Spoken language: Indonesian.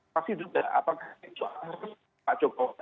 pasti juga apakah itu pak jokowi